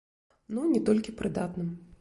Ну, не толькі прыдатным.